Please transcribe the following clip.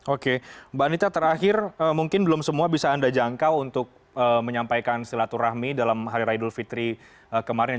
oke mbak anita terakhir mungkin belum semua bisa anda jangkau untuk menyampaikan silaturahmi dalam hari raya idul fitri kemarin